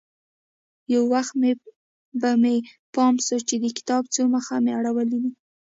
يو وخت به مې پام سو چې د کتاب څو مخه مې اړولي دي.